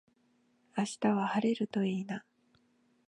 明日は晴れるといいな